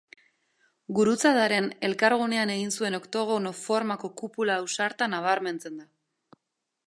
Gurutzaduraren elkargunean egin zuen oktogono formako kupula ausarta nabarmentzen da.